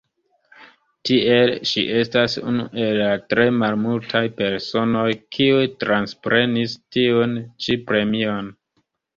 Tiel ŝi estas unu el la tre malmultaj personoj, kiuj transprenis tiun ĉi premion.